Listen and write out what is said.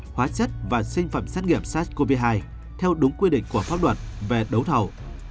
hóa chất và sinh phẩm xét nghiệm sars cov hai theo đúng quy định của pháp luật về đấu thầu